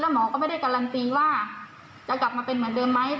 หมอก็ไม่ได้การันตีว่าจะกลับมาเป็นเหมือนเดิมไหม